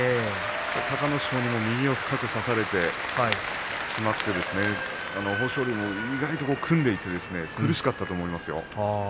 隆の勝にも右を深く差されてしまって豊昇龍も意外と組んでいて苦しかったと思いますよ。